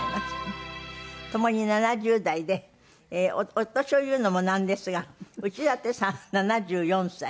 共に７０代でお年を言うのもなんですが内館さんは７４歳。